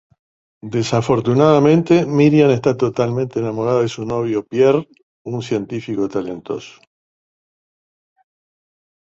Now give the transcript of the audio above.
Desafortunadamente, Miriam está totalmente enamorada de su novio Pierre, un científico talentoso.